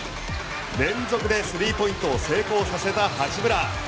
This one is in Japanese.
連続で３ポイントを成功させた八村。